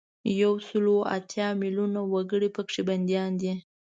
یو سل او اتیا میلونه وګړي په کې بندیان دي.